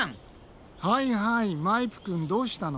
はいはいマイプくんどうしたの？